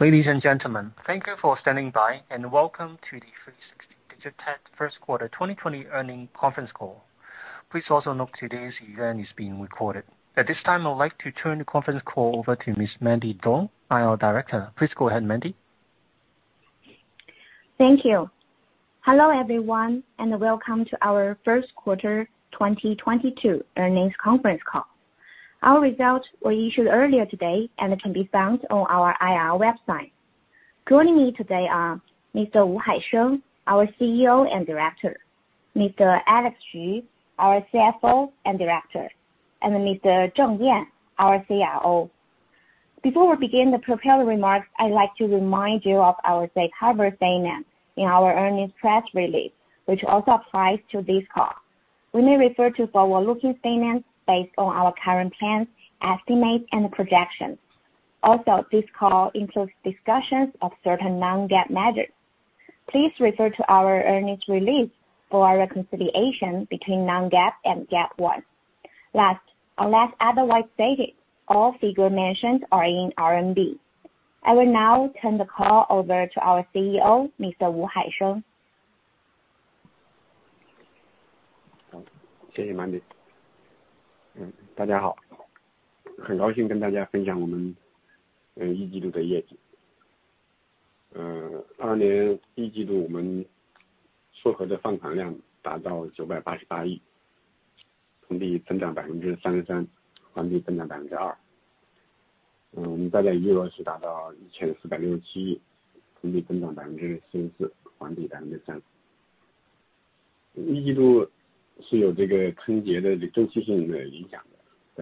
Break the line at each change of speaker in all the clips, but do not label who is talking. Ladies and gentlemen, thank you for standing by, and welcome to the 360 DigiTech First Quarter 2020 Earnings Conference Call. Please also note today's event is being recorded. At this time, I'd like to turn the conference call over to Ms. Mandy Zhong, IR Director. Please go ahead, Mandy.
Thank you. Hello, everyone, and welcome to our First Quarter 2022 Earnings Conference Call. Our results were issued earlier today and can be found on our IR website. Joining me today are Mr. Haisheng Wu, our CEO and Director. Mr. Alex Xu, our CFO and Director. And Mr. Yan Zheng, our CRO. Before we begin the prepared remarks, I'd like to remind you of our safe harbor statement in our earnings press release, which also applies to this call. We may refer to forward-looking statements based on our current plans, estimates, and projections. Also, this call includes discussions of certain non-GAAP measures. Please refer to our earnings release for a reconciliation between non-GAAP and GAAP ones. Last, unless otherwise stated, all figure mentions are in RMB. I will now turn the call over to our CEO, Mr. Haisheng Wu.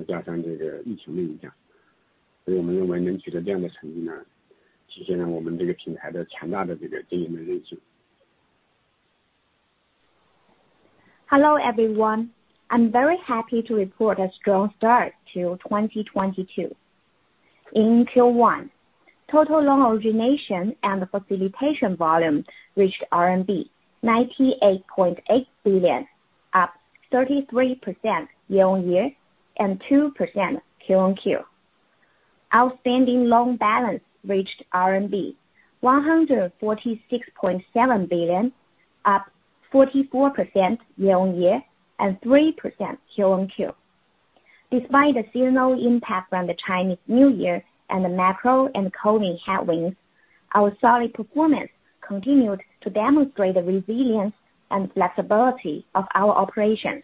Hello, everyone. I'm very happy to report a strong start to 2022. In Q1, total loan origination and facilitation volume reached RMB 98.8 billion, up 33% year-on-year and 2% Q-on-Q. Outstanding loan balance reached RMB 146.7 billion, up 44% year-on-year and 3% Q-on-Q. Despite the seasonal impact from the Chinese New Year and the macro and COVID headwinds, our solid performance continued to demonstrate the resilience and flexibility of our operations.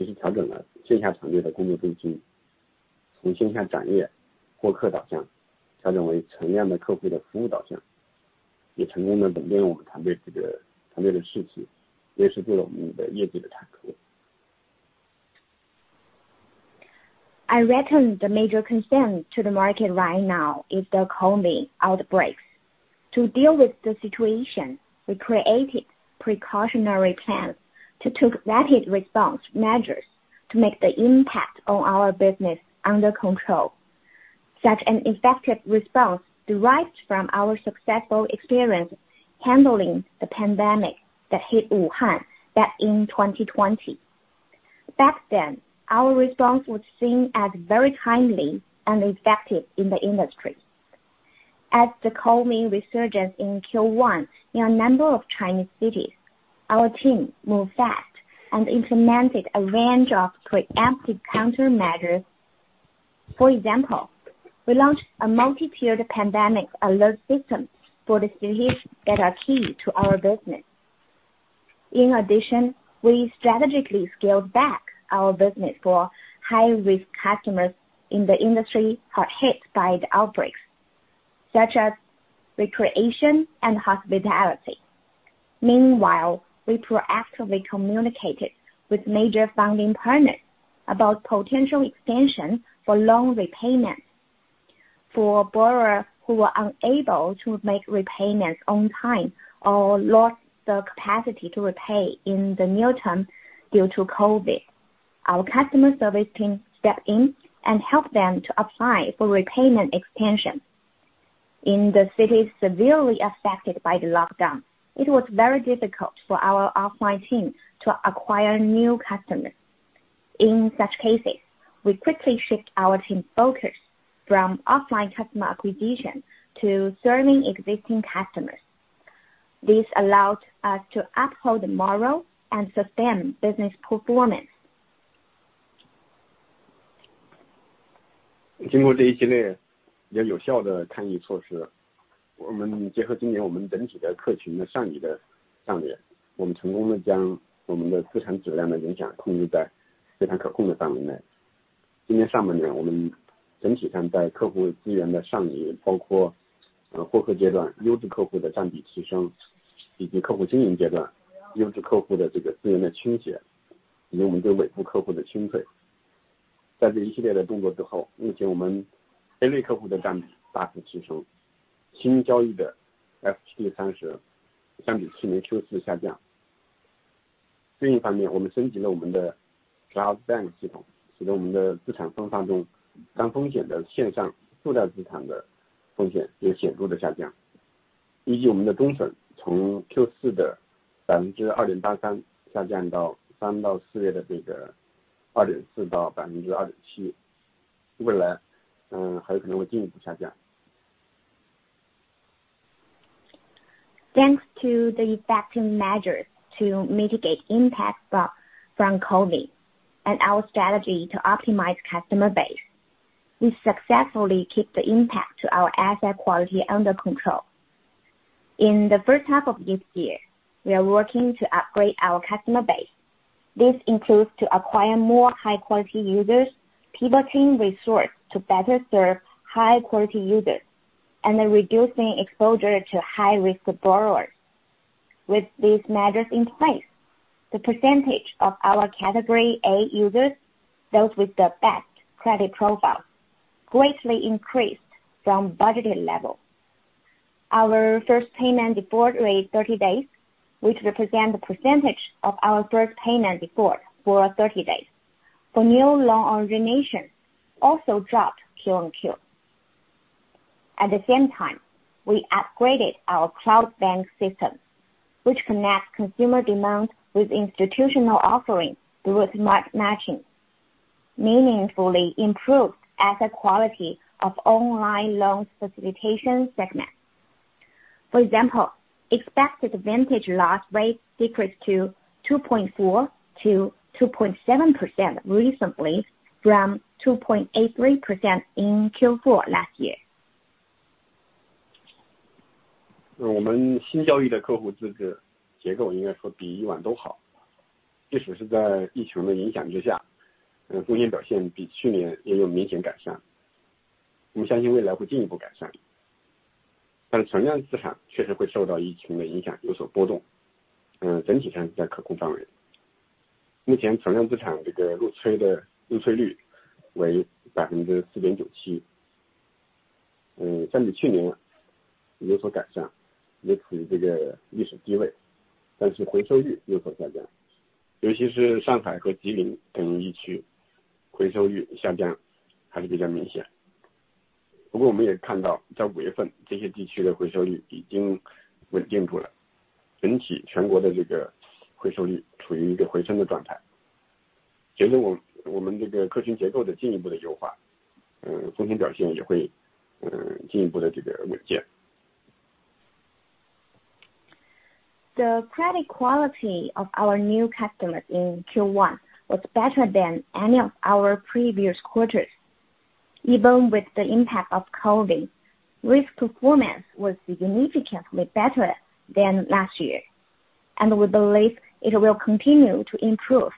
I reckon the major concern to the market right now is the COVID outbreaks. To deal with the situation, we created precautionary plans to take rapid response measures to make the impact on our business under control. Such an effective response derives from our successful experience handling the pandemic that hit Wuhan back in 2020. Back then, our response was seen as very timely and effective in the industry. As the COVID resurgence in Q1 in a number of Chinese cities, our team moved fast and implemented a range of preemptive countermeasures. For example, we launched a multi-tiered pandemic alert system for the cities that are key to our business. In addition, we strategically scaled back our business for high-risk customers in the industry hard hit by the outbreaks, such as recreation and hospitality. Meanwhile, we proactively communicated with major funding partners about potential extension for loan repayments for borrowers who were unable to make repayments on time or lost the capacity to repay in the near term due to COVID. Our customer service team step in and help them to apply for repayment extension. In the cities severely affected by the lockdown, it was very difficult for our offline team to acquire new customers. In such cases, we quickly shift our team focus from offline customer acquisition to serving existing customers. This allowed us to uphold morale and sustain business performance. Thanks to the effective measures to mitigate impact from COVID, and our strategy to optimize customer base. We successfully keep the impact to our asset quality under control. In the first half of this year, we are working to upgrade our customer base. This includes to acquire more high quality users, pivoting resource to better serve high quality users, and then reducing exposure to high risk borrowers. With these measures in place, the percentage of our Category A users, those with the best credit profile, greatly increased from budgeted level. Our first payment default rate 30 days, which represent the percentage of our first payment default for 30 days for new loan origination, also dropped Q-on-Q. At the same time, we upgraded our Cloud Bank System, which connects consumer demand with institutional offerings through smart matching, meaningfully improved asset quality of online loan facilitation segment. For example, expected vintage loss rate decreased to 2.4%-2.7% recently from 2.83% in Q4 last year. The credit quality of our new customers in Q1 was better than any of our previous quarters. Even with the impact of COVID, risk performance was significantly better than last year, and we believe it will continue to improve.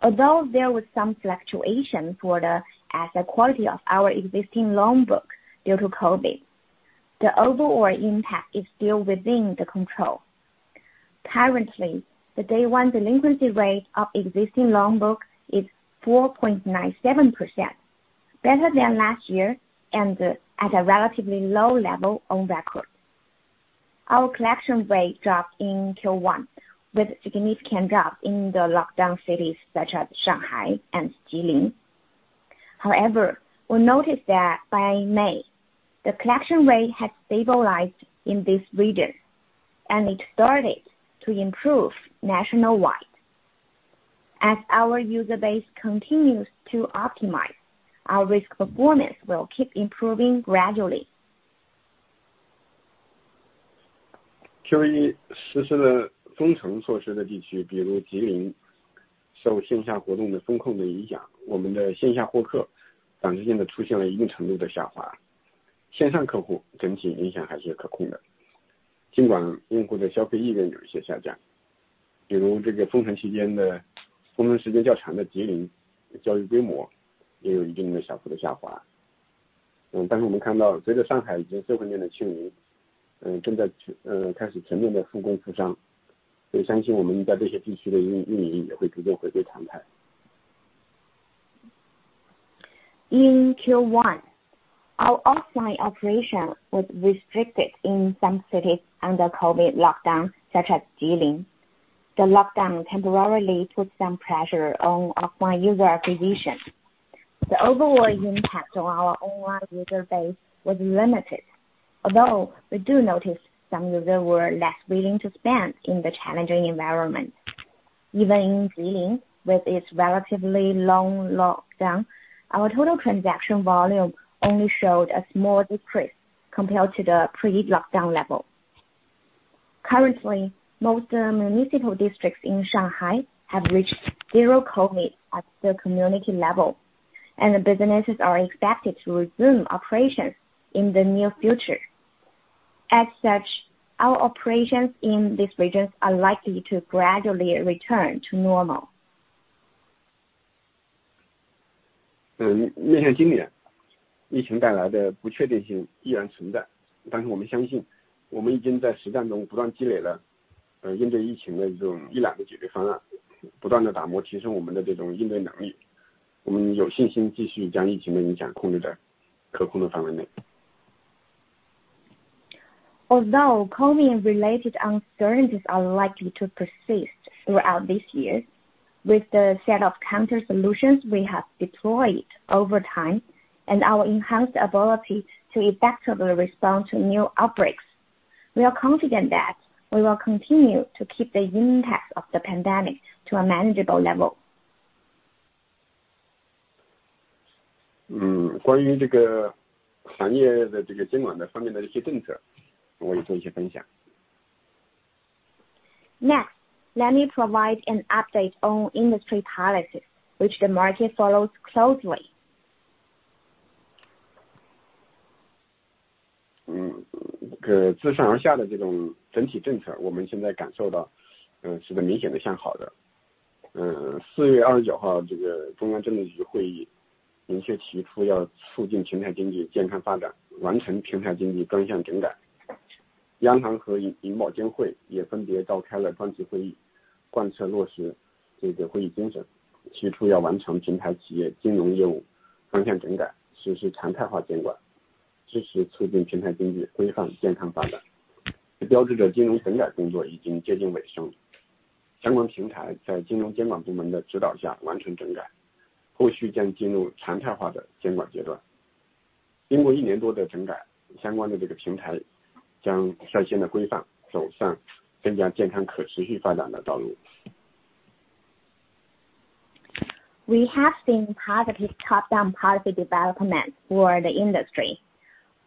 Although there was some fluctuation for the asset quality of our existing loan book due to COVID, the overall impact is still within the control. Currently, the day one delinquency rate of existing loan book is 4.97%, better than last year and at a relatively low level on record. Our collection rate dropped in Q1 with significant drop in the lockdown cities such as Shanghai and Jilin. However, we noticed that by May, the collection rate had stabilized in this region and it started to improve nationwide. As our user base continues to optimize, our risk performance will keep improving gradually. Q1实施了封城措施的地区，比如吉林，受线下活动的风控的影响，我们的线下获客短时间内出现了一定程度的下滑。线上客户整体影响还是可控的。尽管用户的消费意愿有一些下降，比如这个封城期间的封城时间较长的吉林，交易规模也有一定的小幅的下滑。但是我们看到随着上海以及社会面的清零，正在开始全面的复工复商，所以相信我们在这些地区的运营也会逐渐回归常态。In Q1, our offline operation was restricted in some cities under COVID lockdown, such as Jilin. The lockdown temporarily put some pressure on offline user acquisition. The overall impact on our online user base was limited. Although we do notice some users were less willing to spend in the challenging environment. Even in Jilin, with its relatively long lockdown, our total transaction volume only showed a small decrease compared to the pre-lockdown level. Currently, most municipal districts in Shanghai have reached zero COVID at the community level, and the businesses are expected to resume operations in the near future. As such, our operations in these regions are likely to gradually return to normal. 面向今年，疫情带来的不确定性依然存在。但是我们相信我们已经在实战中不断积累了应对疫情的这种一揽子解决方案，不断地打磨、提升我们的这种应对能力。我们有信心继续将疫情的影响控制在可控的范围内。Although COVID-related uncertainties are likely to persist throughout this year, with the set of counter solutions we have deployed over time and our enhanced ability to effectively respond to new outbreaks, we are confident that we will continue to keep the impact of the pandemic to a manageable level. 关于这个行业的监管方面的一些政策，我也做一些分享。Next, let me provide an update on industry policies which the market follows closely. We have seen positive top-down policy development for the industry.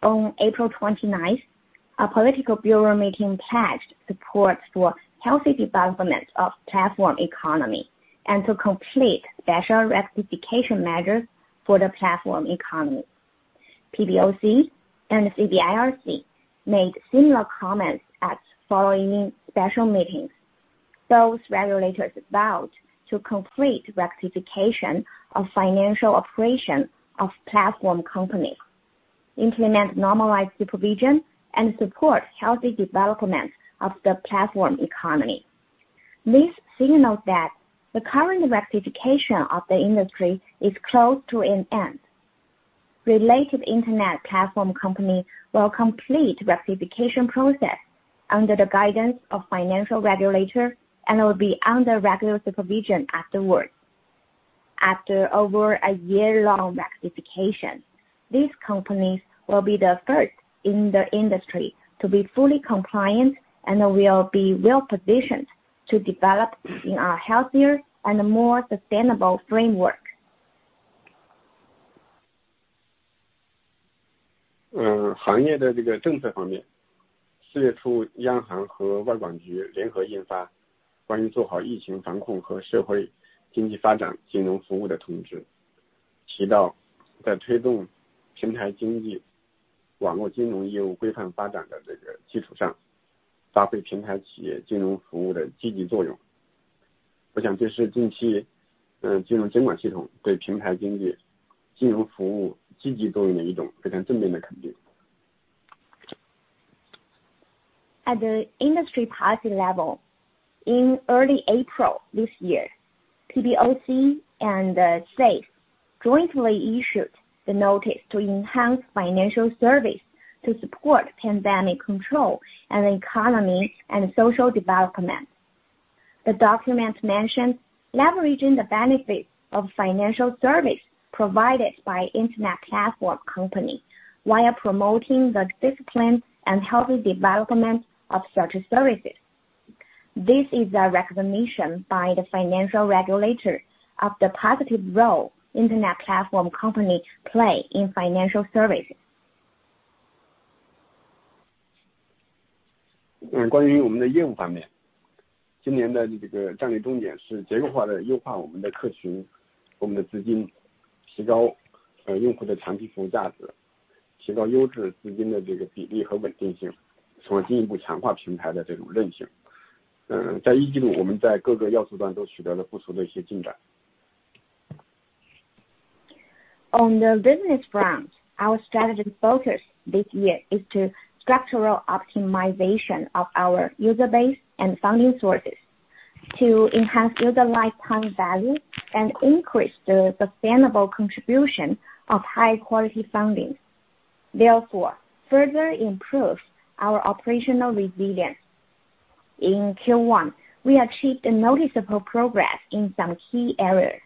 On April 29th, our Political Bureau meeting pledged support for healthy development of platform economy and to complete special rectification measures for the platform economy. PBOC and CBIRC made similar comments at following special meetings. Those regulators vowed to complete rectification of financial operation of platform companies, implement normalized supervision, and support healthy development of the platform economy. This signals that the current rectification of the industry is close to an end. Related internet platform company will complete rectification process under the guidance of financial regulator and will be under regular supervision afterwards. After over a year-long rectification, these companies will be the first in the industry to be fully compliant and will be well positioned to develop in a healthier and more sustainable framework. 行业的这个政策方面，四月初，央行和外管局联合印发《关于做好疫情防控和社会经济发展金融服务的通知》，提到在推动平台经济、网络金融业务规范发展的这个基础上，发挥平台企业金融服务的积极作用。我想这是近期金融监管系统对平台经济金融服务积极作用的一种非常正面的肯定。At the industry policy level, in early April this year, PBOC and SAFE jointly issued the notice to enhance financial services to support pandemic control and economic and social development. The document mentioned leveraging the benefits of financial services provided by internet platform companies while promoting the disciplined and healthy development of such services. This is a recognition by the financial regulators of the positive role internet platform companies play in financial services. 关于我们的业务方面，今年的这个战略重点是结构化地优化我们的客群、我们的资金，提高用户的长期服务价值，提高优质资金的这个比例和稳定性，从而进一步强化平台的这种韧性。在一季度我们在各个要素端都取得了不俗的一些进展。On the business front, our strategic focus this year is the structural optimization of our user base and funding sources. To enhance user lifetime value and increase the sustainable contribution of high quality funding, therefore further improve our operational resilience. In Q1, we achieved a noticeable progress in some key areas.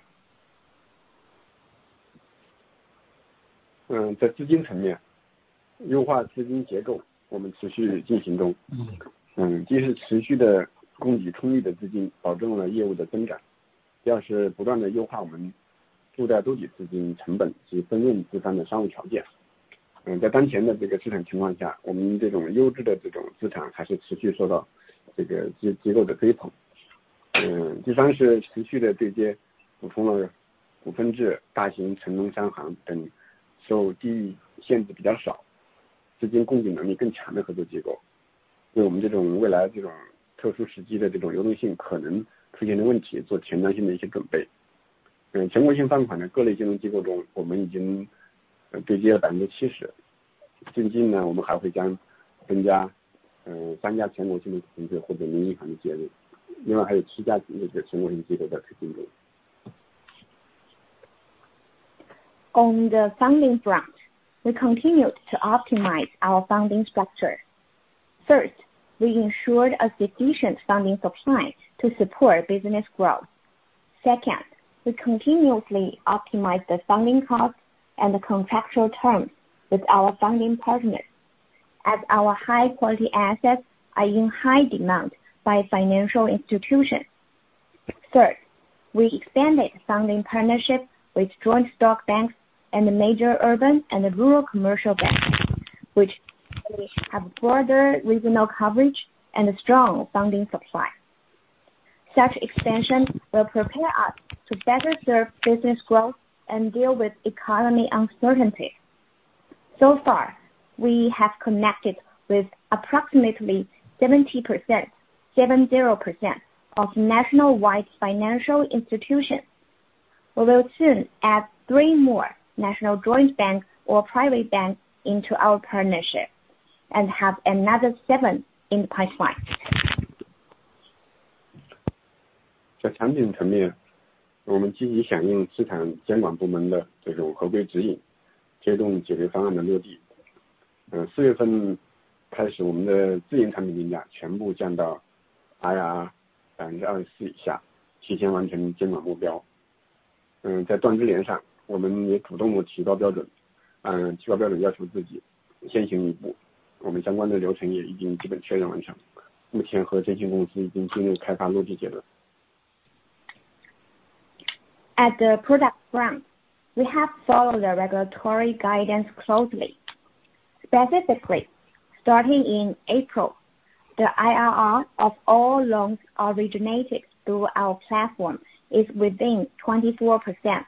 On the funding front, we continue to optimize our funding structure. First, we ensured a sufficient funding supply to support business growth. Second, we continuously optimize the funding cost and the contractual terms with our funding partners as our high-quality assets are in high demand by financial institutions. Third, we expanded funding partnership with joint stock banks and the major urban and rural commercial banks, which have broader regional coverage and a strong funding supply. Such expansion will prepare us to better serve business growth and deal with economic uncertainty. So far, we have connected with approximately 70%, 70% of nationwide financial institutions. We will soon add three more national joint banks or private banks into our partnership and have another seven in the pipeline. 在产品层面，我们积极响应资产监管部门的这种合规指引，推动解决方案的落地。四月份开始，我们的自营产品定价全部降到IRR 24%以下，提前完成监管目标。在断肢连上，我们也主动地提高标准，按提高标准要求自己先行一步。我们相关的流程也已经基本确认完成。目前和基金公司已经进入开发落地阶段。At the product front, we have followed the regulatory guidance closely, specifically starting in April. The IRR of all loans originated through our platform is within 24%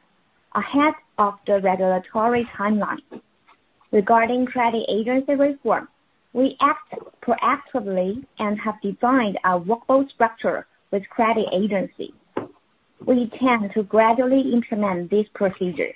ahead of the regulatory timeline. Regarding credit agency reform, we act proactively and have defined our workflow structure with credit agency. We intend to gradually implement these procedures.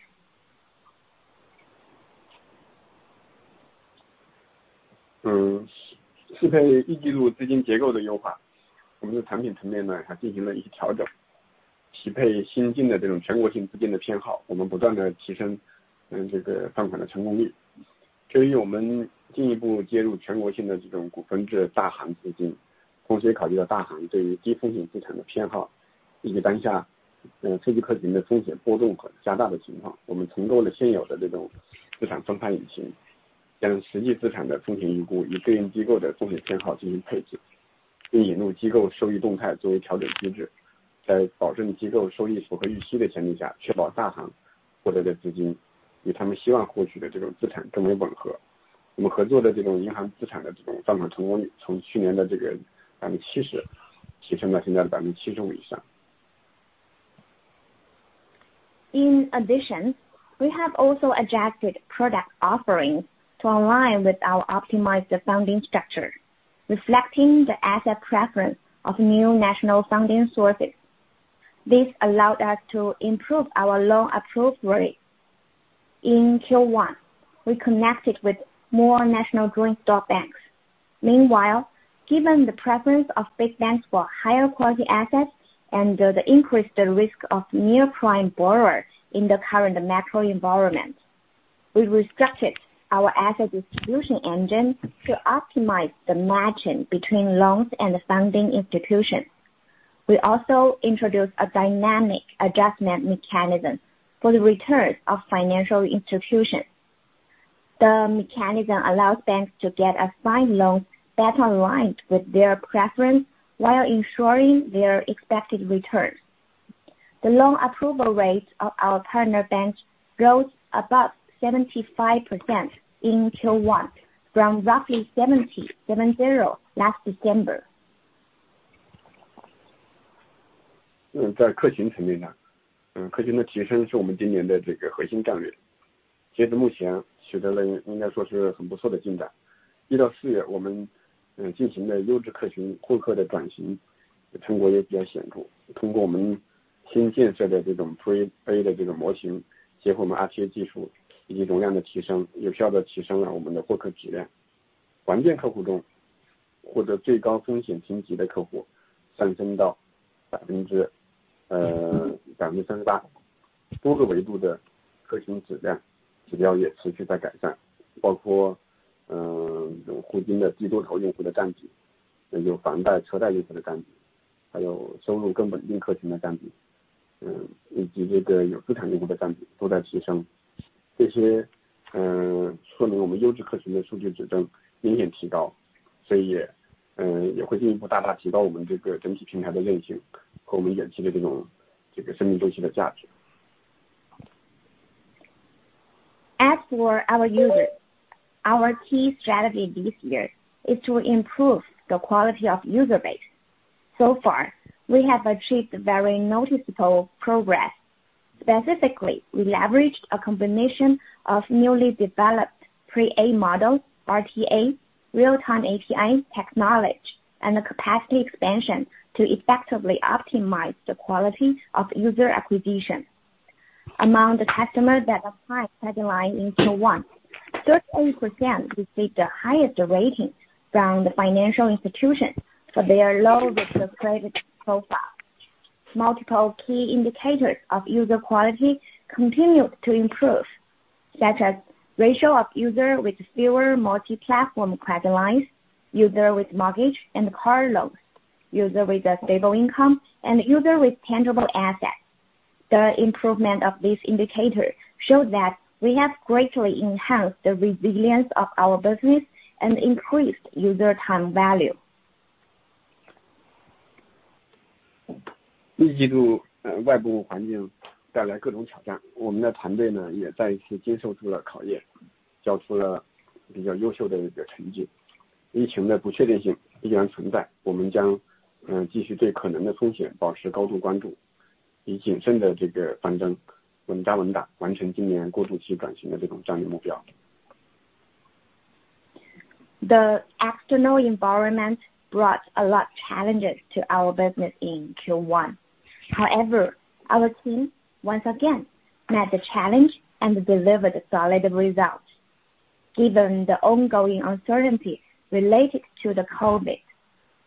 In addition, we have also adjusted product offerings to align with our optimized funding structure, reflecting the asset preference of new national funding sources. This allowed us to improve our loan approval rate. In Q1, we connected with more national joint stock banks. Meanwhile, given the preference of big banks for higher quality assets and the increased risk of near prime borrowers in the current macro environment, we restructured our asset distribution engine to optimize the matching between loans and funding institutions. We also introduced a dynamic adjustment mechanism for the returns of financial institutions. The mechanism allows banks to get assigned loans that aligns with their preference while ensuring their expected returns. The loan approval rates of our partner banks rose above 75% in Q1 from roughly 77.0% last December. As for our users, our key strategy this year is to improve the quality of user base. So far, we have achieved very noticeable progress. Specifically, we leveraged a combination of newly developed Pre-A model, RTA, real-time API technology, and the capacity expansion to effectively optimize the quality of user acquisition. Among the customers that applied credit line in Q1, 38% received the highest rating from the financial institution for their low risk credit profile. Multiple key indicators of user quality continued to improve, such as ratio of user with fewer multi-platform credit lines, user with mortgage and car loans, user with a stable income and user with tangible assets. The improvement of these indicators show that we have greatly enhanced the resilience of our business and increased user time value. 一季度，外部环境带来各种挑战，我们的团队也再一次经受住了考验，交出了比较优秀的一个成绩。疫情的不确定性依然存在，我们将继续对可能的风险保持高度关注，以谨慎的态度稳扎稳打，完成今年过渡期转型的这种战略目标。The external environment brought a lot of challenges to our business in Q1. However, our team once again met the challenge and delivered solid results. Given the ongoing uncertainty related to the COVID,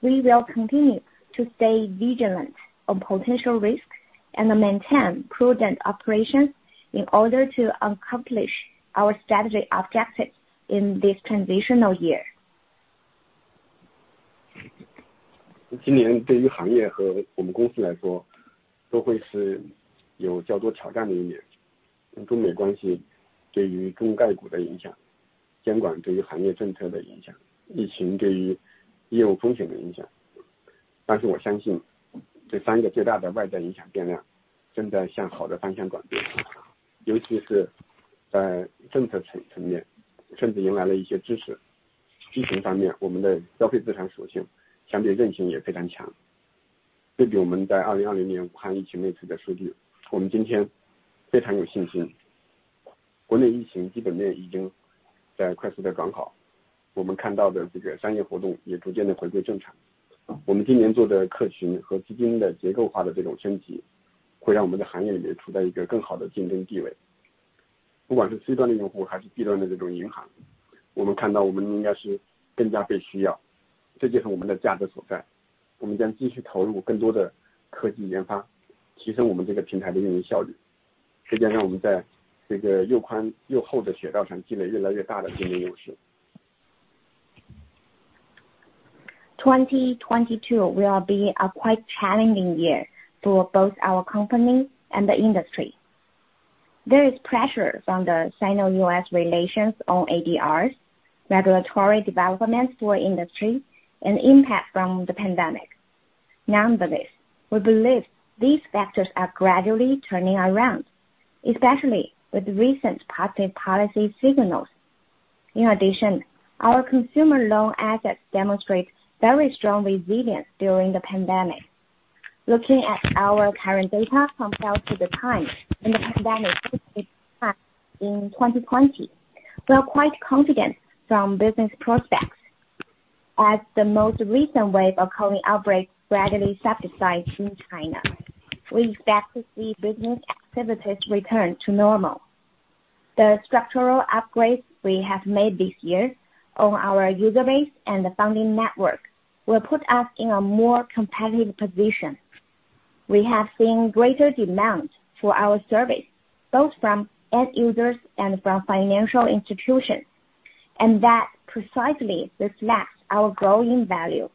we will continue to stay vigilant on potential risks and maintain prudent operations in order to accomplish our strategic objectives in this transitional year. 2022 will be a quite challenging year for both our company and the industry. There is pressure from the China-U.S. relations on ADRs, regulatory development for industry, and impact from the pandemic. Nonetheless, we believe these factors are gradually turning around, especially with recent positive policy signals. In addition, our consumer loan assets demonstrate very strong resilience during the pandemic. Looking at our current data compared to the time when the pandemic first hit China in 2020, we are quite confident from business prospects. As the most recent wave of COVID outbreaks gradually subsides in China, we expect to see business activities return to normal. The structural upgrades we have made this year on our user base and the funding network will put us in a more competitive position. We have seen greater demand for our service, both from end users and from financial institutions, and that precisely reflects our growing value.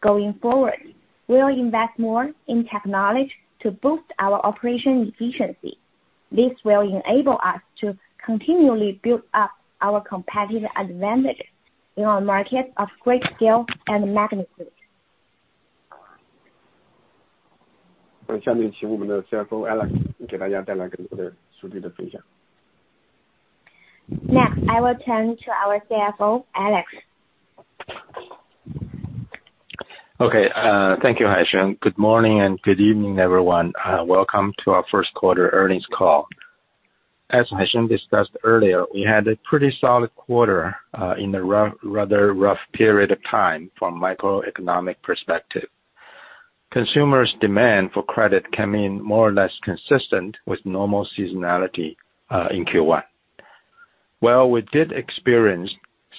Going forward, we will invest more in technology to boost our operation efficiency. This will enable us to continually build up our competitive advantage in a market of great scale and magnitude. 下面请我们的CFO Alex给大家带来更多的数据分享。Now I will turn to our CFO, Alex Xu.
Okay. Thank you, Haisheng. Good morning and good evening everyone, welcome to our First Quarter Earnings Call. As Haisheng discussed earlier, we had a pretty solid quarter in a rather rough period of time from microeconomic perspective. Consumers' demand for credit came in more or less consistent with normal seasonality in Q1. Well, we did experience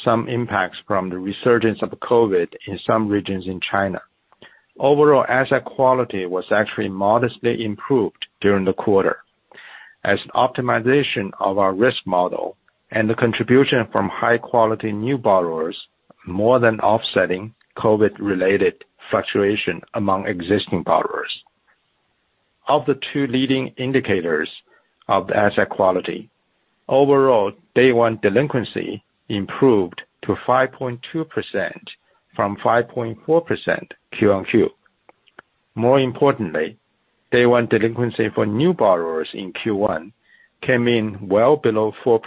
some impacts from the resurgence of COVID in some regions in China. Overall asset quality was actually modestly improved during the quarter as optimization of our risk model and the contribution from high-quality new borrowers more than offsetting COVID-related fluctuation among existing borrowers. Of the two leading indicators of the asset quality, overall day one delinquency improved to 5.2% from 5.4% quarter-over-quarter. More importantly, day one delinquency for new borrowers in Q1 came in well below 4%,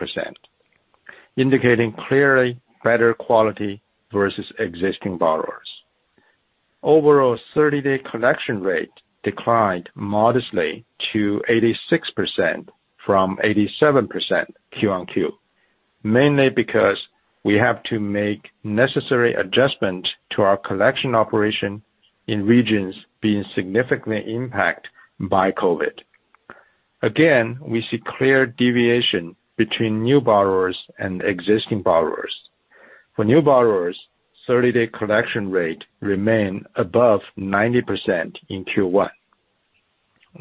indicating clearly better quality vs existing borrowers. Overall, 30-day collection rate declined modestly to 86% from 87% quarter-over-quarter. Mainly because we have to make necessary adjustment to our collection operation in regions being significantly impacted by COVID. Again, we see clear deviation between new borrowers and existing borrowers. For new borrowers, thirty-day collection rate remain above 90% in Q1.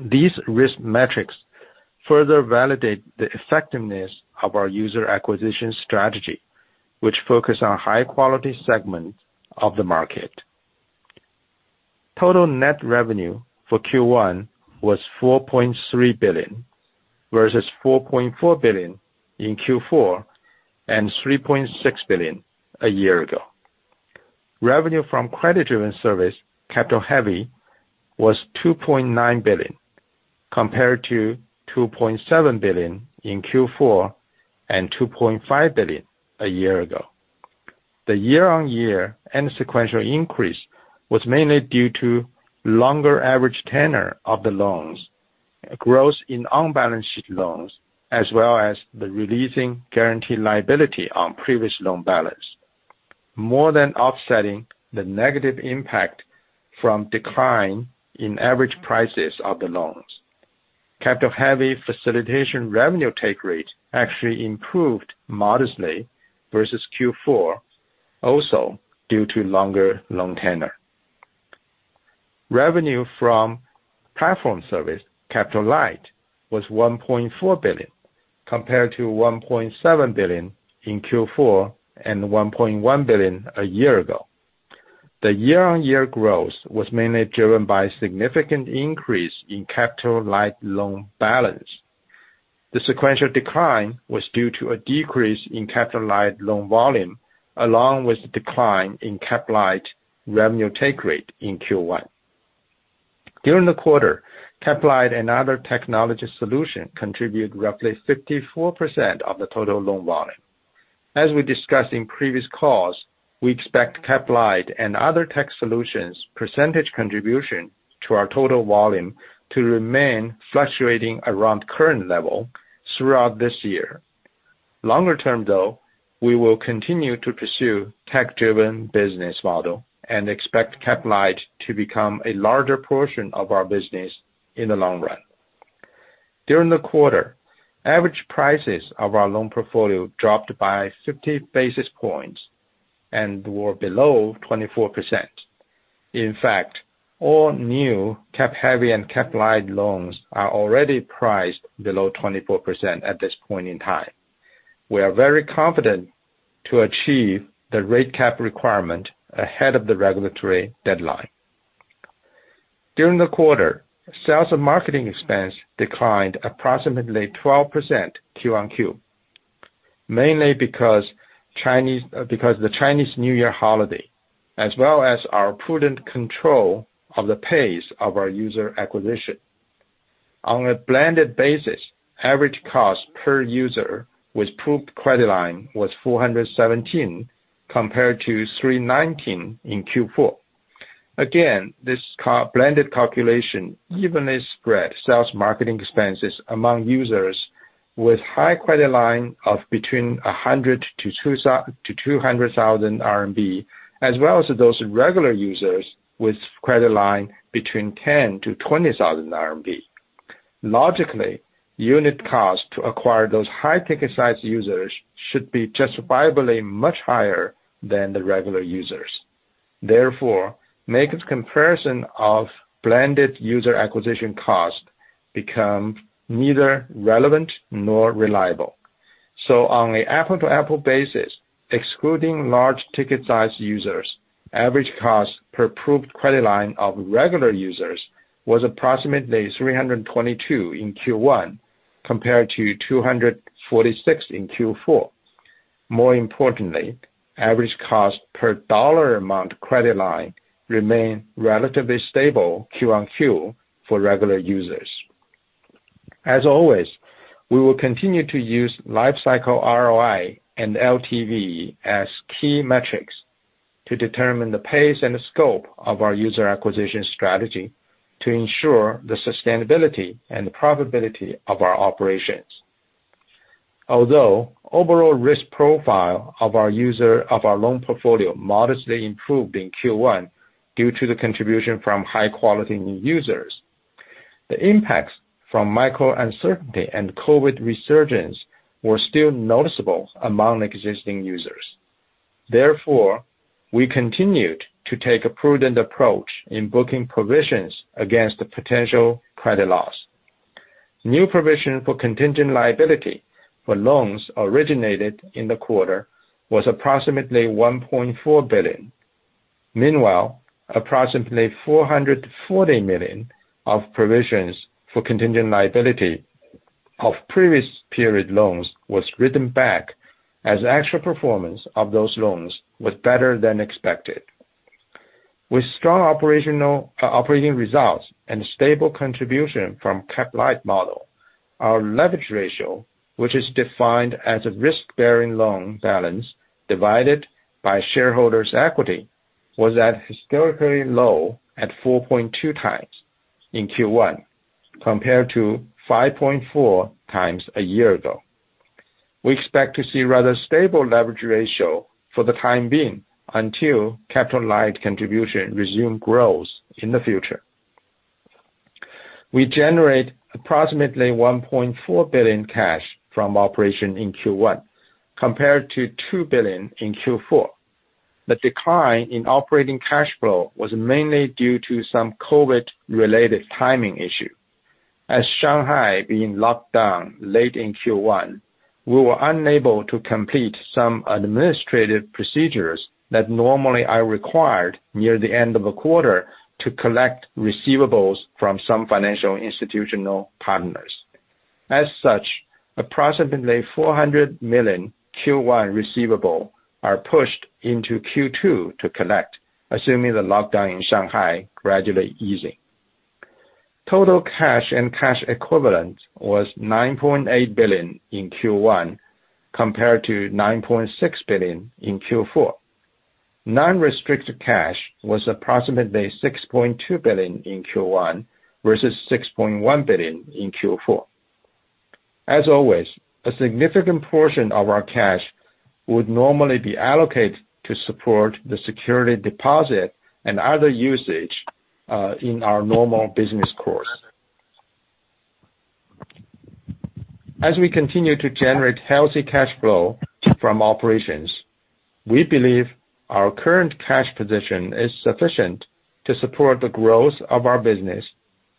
These risk metrics further validate the effectiveness of our user acquisition strategy, which focus on high quality segment of the market. Total net revenue for Q1 was 4.3 billion, vs 4.4 billion in Q4, and 3.6 billion a year ago. Revenue from credit-driven service, capital heavy, was 2.9 billion, compared to 2.7 billion in Q4, and 2.5 billion a year ago. The year-on-year and sequential increase was mainly due to longer average tenor of the loans, growth in on-balance sheet loans, as well as the releasing guarantee liability on previous loan balance, more than offsetting the negative impact from decline in average prices of the loans. Capital-heavy facilitation revenue take rate actually improved modestly vs Q4, also due to longer loan tenor. Revenue from platform service, capital-light, was 1.4 billion, compared to 1.7 billion in Q4, and 1.1 billion a year ago. The year-on-year growth was mainly driven by significant increase in capital-light loan balance. The sequential decline was due to a decrease in capital-light loan volume, along with decline in capital-light revenue take rate in Q1. During the quarter, capital-light and other technology solution contribute roughly 54% of the total loan volume. As we discussed in previous calls, we expect capital-light and other tech solutions percentage contribution to our total volume to remain fluctuating around current level throughout this year. Longer term, though, we will continue to pursue tech-driven business model and expect capital-light to become a larger portion of our business in the long run. During the quarter, average prices of our loan portfolio dropped by 50 basis points and were below 24%. In fact, all new capital-heavy and Capital-light loans are already priced below 24% at this point in time. We are very confident to achieve the rate cap requirement ahead of the regulatory deadline. During the quarter, sales and marketing expense declined approximately 12% Q-o-Q, mainly because the Chinese New Year holiday, as well as our prudent control of the pace of our user acquisition. On a blended basis, average cost per user with approved credit line was 417, compared to 319 in Q4. Again, this blended calculation evenly spread sales & marketing expenses among users with high credit line of between 100,000-200,000 RMB, as well as those regular users with credit line between 10,000-20,000 RMB. Logically, unit cost to acquire those high-ticket-size users should be justifiably much higher than the regular users. Therefore, makes the comparison of blended user acquisition cost become neither relevant nor reliable. On an apples-to-apples basis, excluding large-ticket-size users, average cost per approved credit line of regular users was approximately 322 in Q1, compared to 246 in Q4. More importantly, average cost per dollar amount credit line remained relatively stable Q-on-Q for regular users. As always, we will continue to use lifecycle ROI and LTV as key metrics to determine the pace and the scope of our user acquisition strategy to ensure the sustainability and profitability of our operations. Although overall risk profile of our user, of our loan portfolio modestly improved in Q1 due to the contribution from high quality new users. The impacts from micro-uncertainty and COVID resurgence were still noticeable among existing users. Therefore, we continued to take a prudent approach in booking provisions against the potential credit loss. New provision for contingent liability for loans originated in the quarter was approximately 1.4 billion. Meanwhile, approximately 440 million of provisions for contingent liability of previous period loans was written back as actual performance of those loans was better than expected. With strong operating results and stable contribution from capital-light model, our leverage ratio, which is defined as a risk-bearing loan balance divided by shareholders' equity, was at historically low at 4.2 times in Q1 compared to 5.4 times a year ago. We expect to see rather stable leverage ratio for the time being until capital-light contribution resume growth in the future. We generate approximately 1.4 billion cash from operation in Q1, compared to 2 billion in Q4. The decline in operating cash flow was mainly due to some COVID-related timing issue. As Shanghai being locked down late in Q1, we were unable to complete some administrative procedures that normally are required near the end of a quarter to collect receivables from some financial institutional partners. As such, approximately 400 million Q1 receivables are pushed into Q2 to collect, assuming the lockdown in Shanghai gradually easing. Total cash and cash equivalents was 9.8 billion in Q1, compared to 9.6 billion in Q4. Non-restricted cash was approximately 6.2 billion in Q1, vs 6.1 billion in Q4. As always, a significant portion of our cash would normally be allocated to support the security deposit and other usage in our normal course of business. As we continue to generate healthy cash flow from operations, we believe our current cash position is sufficient to support the growth of our business,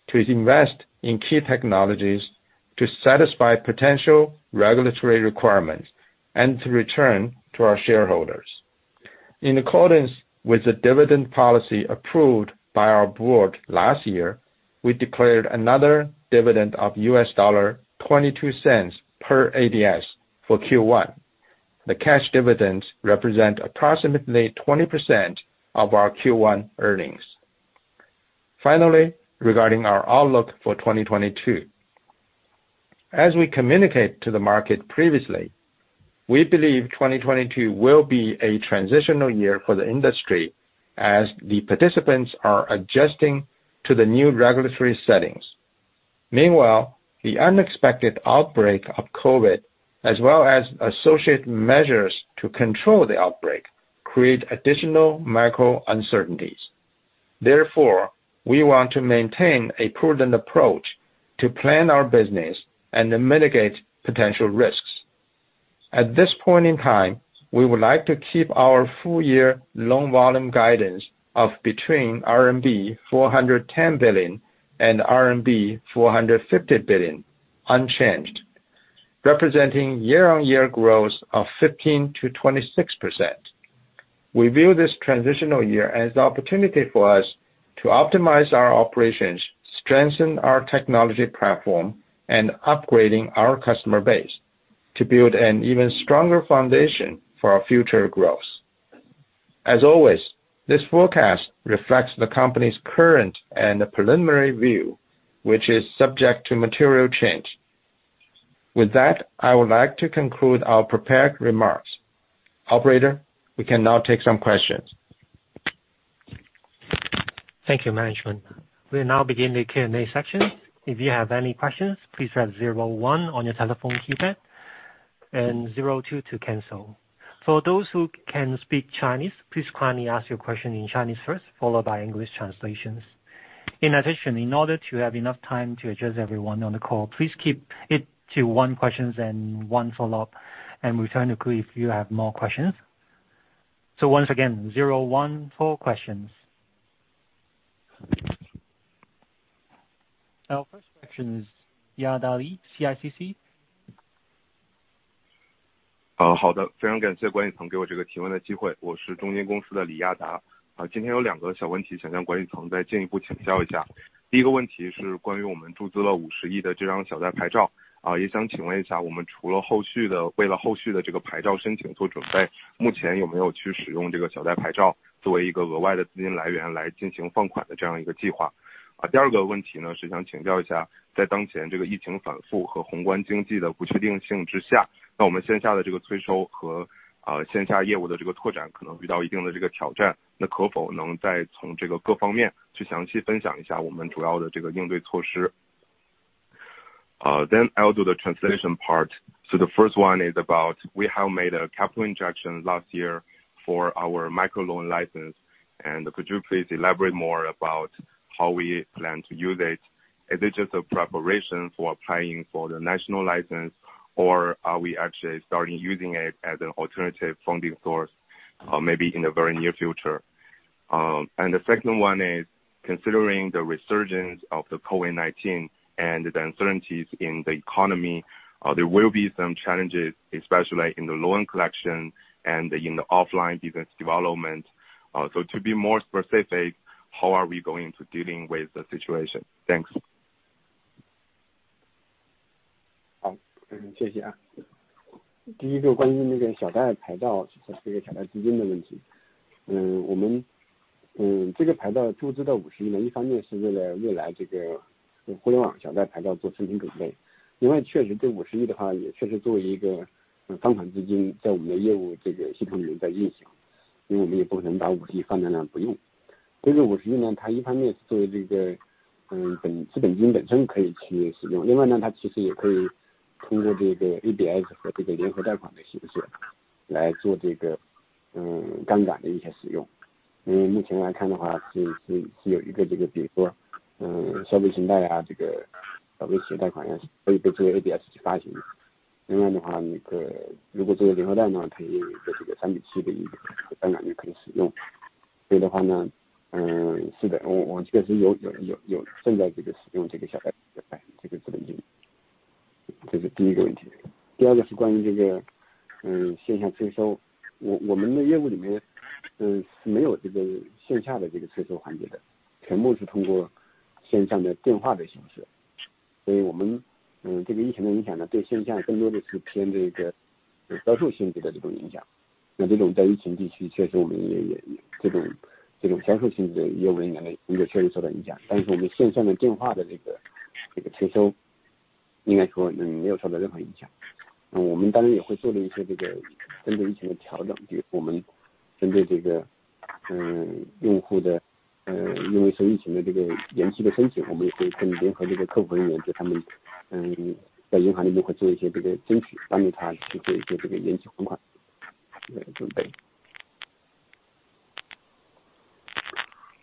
to invest in key technologies, to satisfy potential regulatory requirements, and to return to our shareholders. In accordance with the dividend policy approved by our board last year, we declared another dividend of $0.22 per ADS for Q1. The cash dividends represent approximately 20% of our Q1 earnings. Finally, regarding our outlook for 2022. As we communicate to the market previously, we believe 2022 will be a transitional year for the industry as the participants are adjusting to the new regulatory settings. Meanwhile, the unexpected outbreak of COVID, as well as associated measures to control the outbreak, create additional micro-uncertainties. Therefore, we want to maintain a prudent approach to plan our business and mitigate potential risks. At this point in time, we would like to keep our full year loan volume guidance of between RMB 410 billion and RMB 450 billion unchanged, representing year-on-year growth of 15%-26%. We view this transitional year as the opportunity for us to optimize our operations, strengthen our technology platform, and upgrading our customer base to build an even stronger foundation for our future growth. As always, this forecast reflects the company's current and preliminary view, which is subject to material change. With that, I would like to conclude our prepared remarks. Operator, we can now take some questions.
Thank you, management. We now begin the Q&A section. If you have any questions, please press zero one on your telephone keypad and zero two to cancel. For those who can speak Chinese, please kindly ask your question in Chinese first, followed by English translations. In addition, in order to have enough time to address everyone on the call, please keep it to one question then one follow-up, and we'll try and include if you have more questions. Once again, zero one for questions. Our first question is Yada Li, CICC.
Uh, I'll do the translation part. The first one is about we have made a capital injection last year for our microloan license. Could you please elaborate more about how we plan to use it? Is it just a preparation for applying for the national license, or are we actually starting using it as an alternative funding source, maybe in the very near future? The second one is: considering the resurgence of the COVID-19 and the uncertainties in the economy, there will be some challenges, especially in the loan collection and in the offline business development. To be more specific, how are we going to dealing with the situation? Thanks.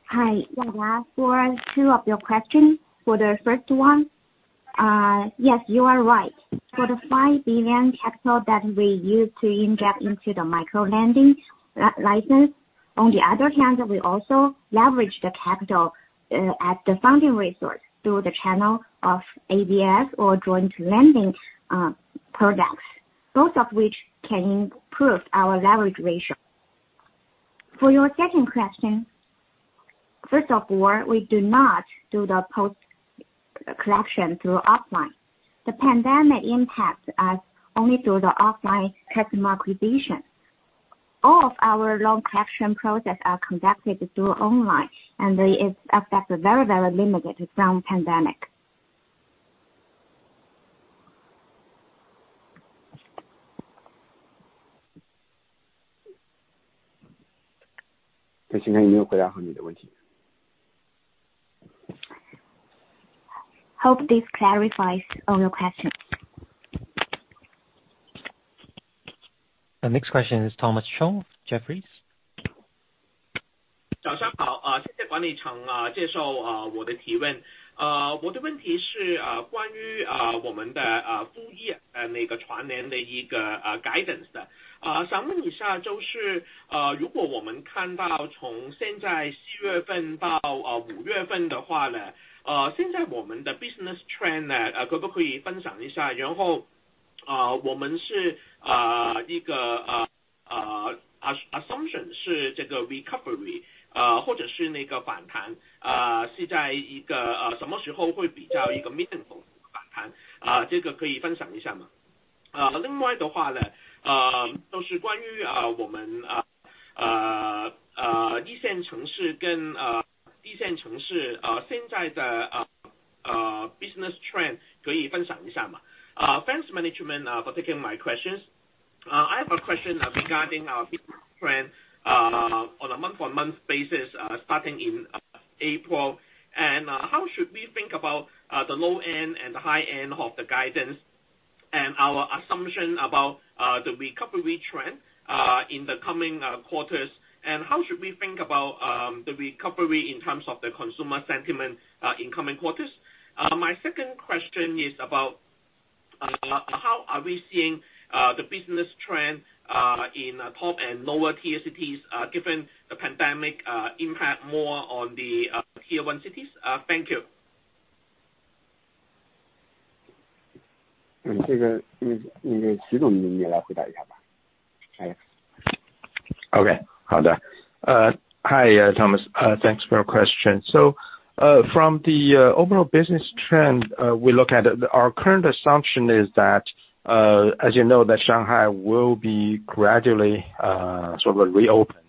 Hi, for two of your questions. For the first one, yes, you are right. For the 5 billion capital that we use to inject into the micro-lending license. On the other hand, we also leverage the capital as the funding resource through the channel of ABS or joint lending products, both of which can improve our leverage ratio. For your second question. First of all, we do not do the post collection through offline. The pandemic impacts us only through the offline customer acquisition. All of our loan collection processes are conducted through online, and it's affected very, very little by the pandemic. 这现在已经有回答好你的问题。Hope this clarifies all your questions.
The next question is Thomas Chong, Jefferies.
早上好，谢谢管理层接受我的提问。我的问题是关于我们全年的guidance，想问一下，如果我们看到从现在四月份到五月份的话，现在我们的business trend可不可以分享一下，然后我们的assumption是这个recovery，或者是那个反弹，是在什么时候会比较meaningful的反弹，这个可以分享一下吗？另外的话，就是关于一线城市，现在的business trend可以分享一下吗？Uh, thanks management for taking my questions. I have a question regarding our business trend on a month-over-month basis starting in April. How should we think about the low end and the high end of the guidance and our assumption about the recovery trend in the coming quarters? How should we think about the recovery in terms of the consumer sentiment in coming quarters? My second question is about how we are seeing the business trend in top and lower tier cities given the pandemic impact more on the tier one cities? Thank you.
徐总，你也来回答一下吧。
OK, 好的. Hi Thomas, thanks for your question. From the overall business trend, we look at our current assumption is that, as you know, that Shanghai will be gradually sort of reopen,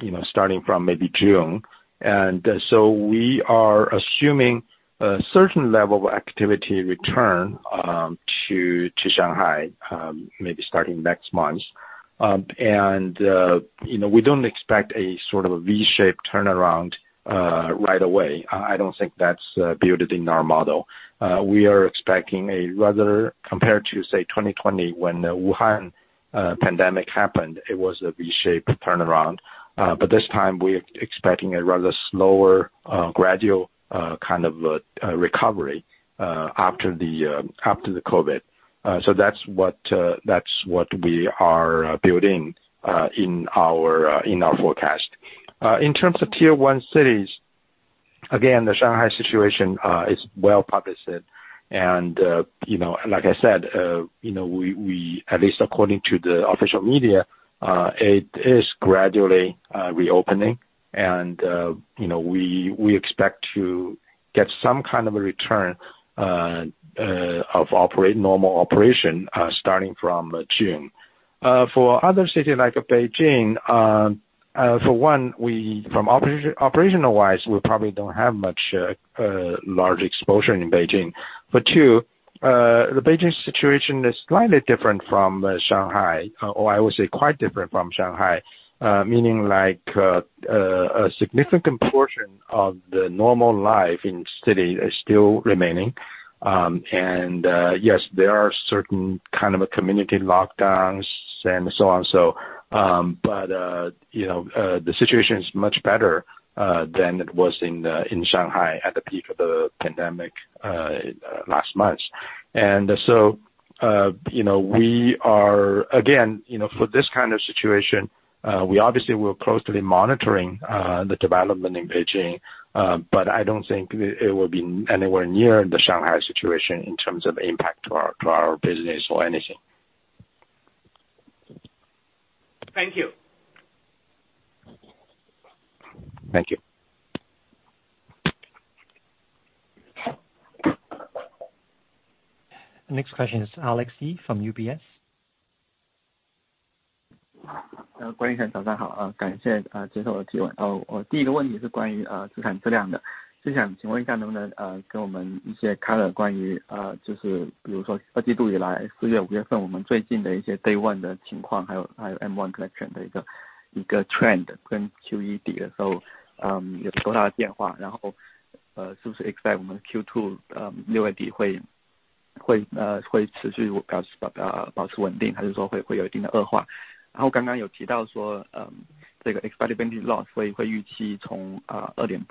you know, starting from maybe June. We are assuming a certain level of activity return to Shanghai, maybe starting next month. You know, we don't expect a sort of a V shape turnaround right away. I don't think that's built in our model. We are expecting a rather compared to say 2020 when Wuhan pandemic happened it was a V shape turnaround. This time we're expecting a rather slower gradual kind of a recovery after the COVID. That's what we are building in our forecast. In terms of Tier 1 cities, again, the Shanghai situation is well publicized, and you know, like I said, you know, we at least according to the official media, it is gradually reopening. You know, we expect to get some kind of a return of normal operation starting from June. For other cities like Beijing, for one we from operational wise, we probably don't have much large exposure in Beijing. Two, the Beijing situation is slightly different from Shanghai, or I would say quite different from Shanghai, meaning like a significant portion of the normal life in city is still remaining. Yes, there are certain kind of community lockdowns and so on so, but you know, the situation is much better than it was in the Shanghai at the peak of the pandemic last month. You know, we are again, you know, for this kind of situation, we obviously were closely monitoring the development in Beijing, but I don't think it will be anywhere near the Shanghai situation in terms of impact to our business or anything.
Thank you.
Thank you.
Next question is Alex Ye from UBS.
郭先生，早上好，感谢接受我的提问。我第一个问题是关于资产质量的，就想请问一下能不能给我们一些 color 关于就是比如说二季度以来，四月、五月份我们最近的一些 Day 1 的情况，还有 M1 collection 的一个 trend，跟 Q1 底的时候有多大的变化，然后是不是 expect 我们 Q2 六月底会持续保持稳定，还是说会有一定的恶化？然后刚刚有提到说这个 expected lending loss 会预期从 2.8%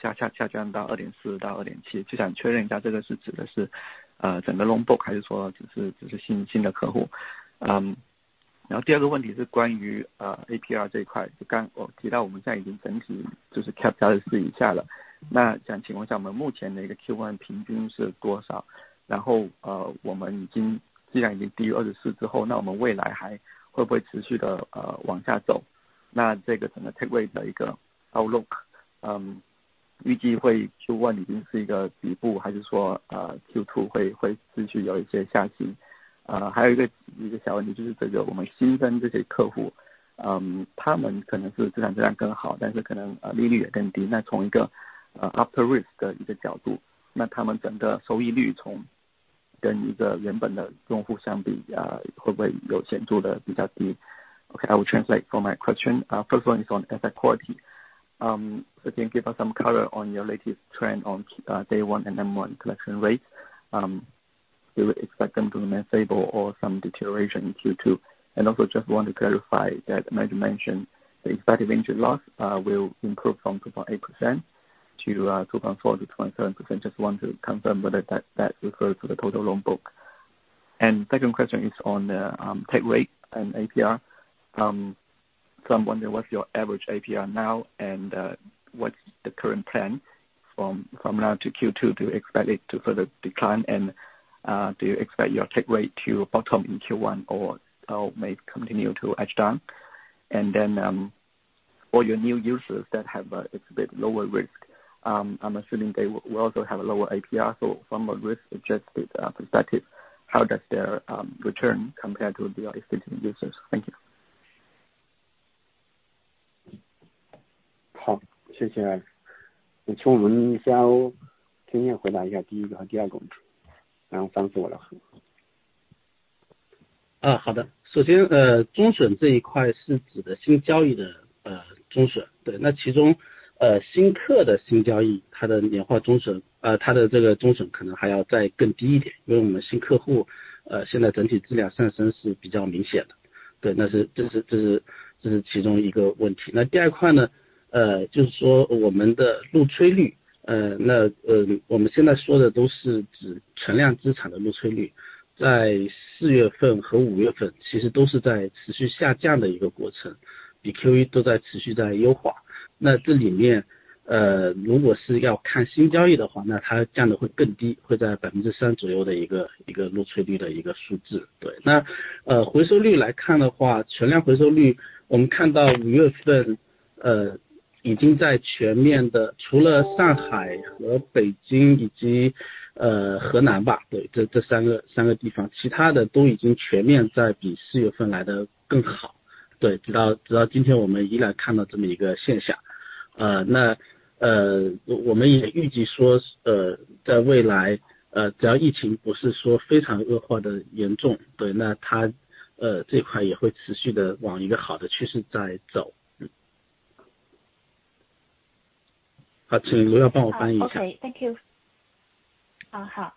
下降到 2.4% 到 2.7%，就想确认一下，这个是指的是整个 loan book，还是说只是新的客户。然后第二个问题是关于 APR 这一块，刚提到我们现在已经整体就是 cap 在 24% 以下了，那想请问一下我们目前的 Q1 平均是多少，然后我们已经既然已经低于 24% 之后，那我们未来还会不会持续地往下走？那这个整个 take rate 的一个 outlook，预计会 Q1 已经是一个底部，还是说 Q2 会继续有一些下行。还有一个小问题就是我们新增加这些客户，他们可能是资产质量更好，但是可能利率也更低，那从一个 up to risk 的一个角度，那他们整个收益率跟一个原本的老用户相比，会不会有显著的比较低？ Okay, I will translate for my question. First one is on asset quality. Can you give us some color on your latest trend on Day 1 and M1 collection rate? Do you expect them to be stable or some deterioration in Q2? And also just want to clarify that you mentioned the expected interest loss will improve from 2.8% to 2.4% to 2.7%, just want to confirm whether that refers to the total loan book. And second question is on the take rate and APR. I'm wondering what's your average APR now? And what's the current plan from now to Q2 to expect it to further decline? And do you expect your take rate to bottom in Q1 or may continue to edge down? And then all your new users that have a bit lower risk, I'm assuming they will also have a lower APR. So from a risk-adjusted perspective, how does their return compare to the existing users? Thank you.
好，谢谢Alex。请我们CEO田燕回答一下第一个和第二个问题，然后翻译我的问题。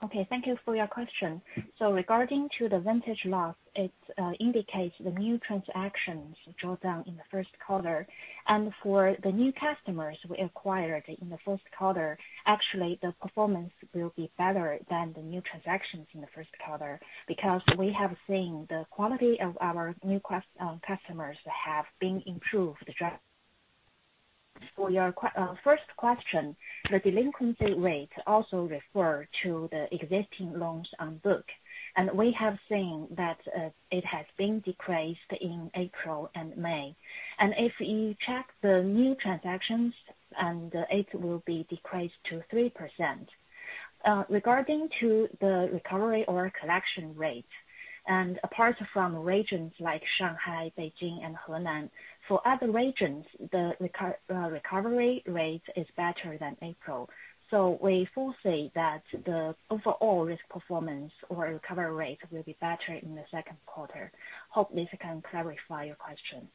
Okay, thank you for your question. Regarding to the vintage loss, it indicates the new transactions draw down in the first quarter. For the new customers we acquired in the first quarter, actually the performance will be better than the new transactions in the first quarter, because we have seen the quality of our new customers have been improved. For your first question, the delinquency rate also refer to the existing loans on book, and we have seen that it has been decreased in April and May. If you check the new transactions it will be decreased to 3%. Regarding to the recovery or collection rate and apart from regions like Shanghai, Beijing and Henan, for other regions, the recovery rate is better than April. We foresee that the overall risk performance or recovery rate will be better in the second quarter. Hope this can clarify your question.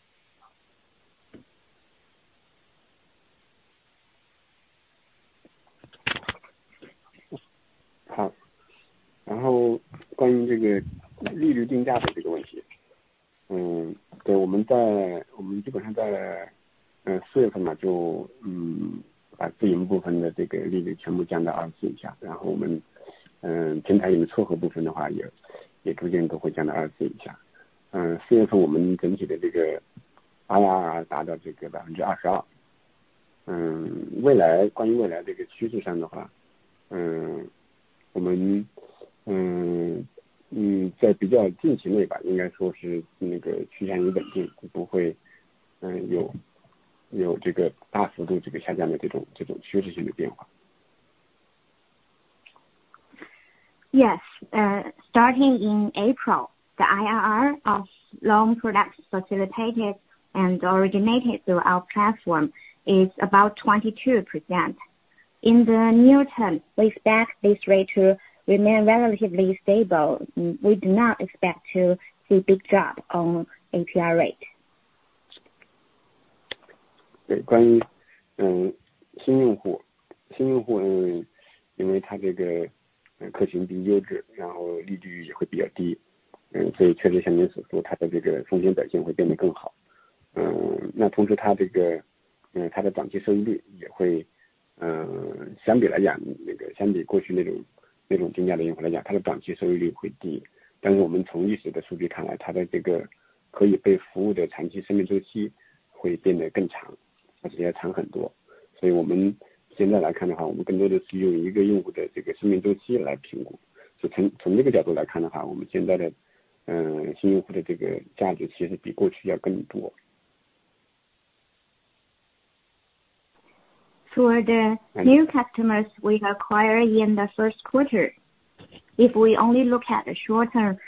Yes, starting in April, the IRR of loan products facilitated and originated through our platform is about 22%. In the near term, we expect this rate to remain relatively stable. We do not expect to see big drop on APR rate. For the new customers we acquire in the first quarter. If we only look at the short-term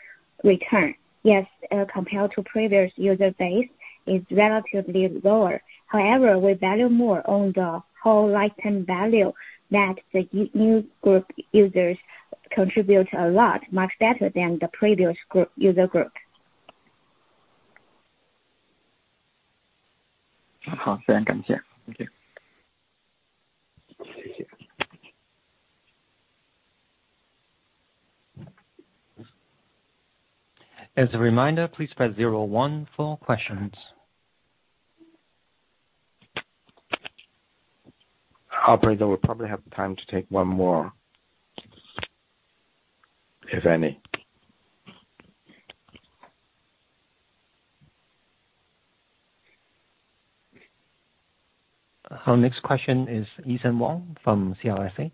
return, yes, compared to previous user base is relatively lower. However, we value more on the whole lifetime value that the new group users contribute a lot, much better than the previous group, user group. 好，非常感谢。Thank you。谢谢。
As a reminder, please press zero one for questions.
Operator, we'll probably have time to take one more. If any.
Our next question is Ethan Wang from CLSA.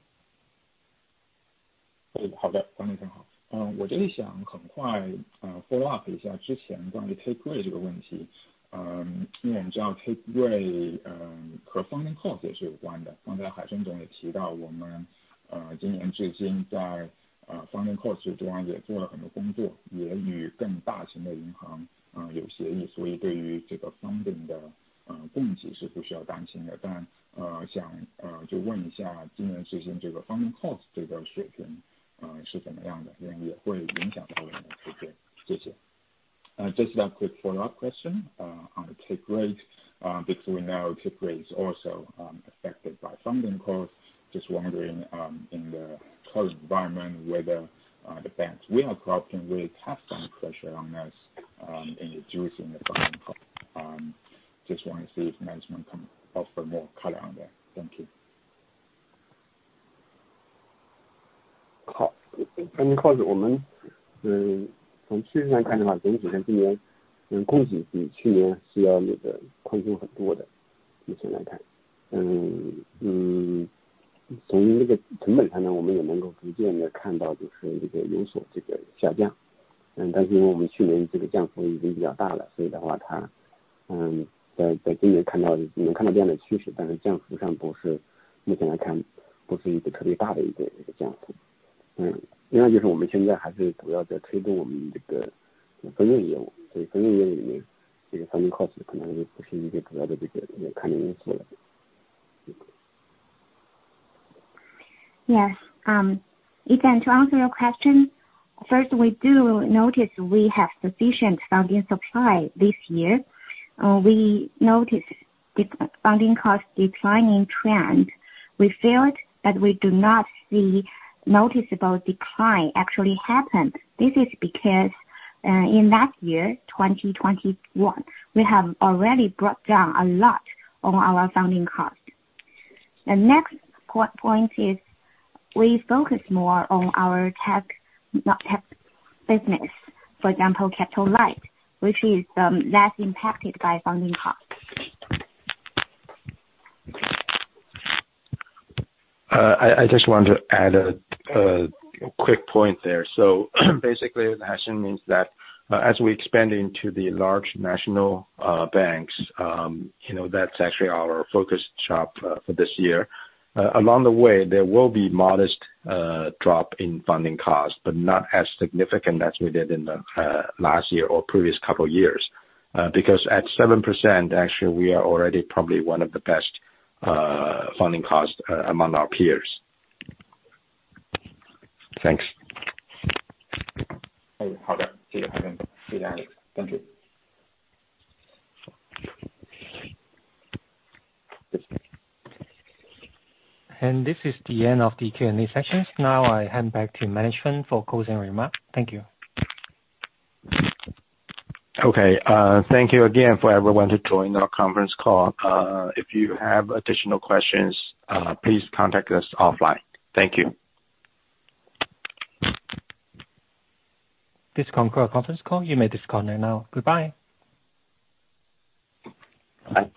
好的，方总你好。我这里想很快follow up一下之前关于take rate这个问题。因为我们知道take rate和funding cost也是有关的。刚才海生总也提到我们今年至今在funding cost这块也做了很多工作，也与更大型的银行有协议，所以对于这个funding的供给是不需要担心的。但想就问一下今年至今这个funding cost这个水平是怎么样的，因为也会影响到我们的take rate，谢谢。Just a quick follow up question on take rate, because we know take rate is also affected by funding cost. Just wondering, in the current environment whether the banks we are caught can really have some pressure on us in reducing the funding cost. Just want to see if management can offer more color on that. Thank you.
好，funding cost 我们，从趋势上看的话，整体上今年供给比去年是要宽松很多的，目前来看。从这个成本上来我们也能够逐渐地看到，就是这个有所下降。但是因为我们去年这个降幅已经比较大了，所以的话它在今年看到，你能看到这样的趋势，但是降幅上目前来看不是一个特别大的降幅。Just we are now still mainly promoting our lending business. In the lending business, this funding cost may not be a major concern anymore. Yes. Ethan, to answer your question, first we do notice we have sufficient funding supply this year. We noticed this funding cost declining trend. We feel that we do not see noticeable decline actually happen. This is because, in last year, 2021, we have already brought down a lot on our funding cost. The next point is we focus more on our tech, not tech business. For example, capital-light, which is less impacted by funding cost.
I just want to add a quick point there. Basically, the assumption is that as we expand into the large national banks, you know, that's actually our focus shop for this year. Along the way, there will be modest drop in funding cost, but not as significant as we did in the last year or previous couple years. Because at 7%, actually we are already probably one of the best funding cost among our peers. Thanks.
Thank you.
This is the end of the Q&A sessions. Now I hand back to management for closing remarks. Thank you.
Okay. Thank you again for everyone who joined our conference call. If you have additional questions, please contact us offline. Thank you.
This concludes our conference call. You may disconnect now. Goodbye. Bye.